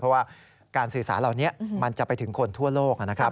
เพราะว่าการสื่อสารเหล่านี้มันจะไปถึงคนทั่วโลกนะครับ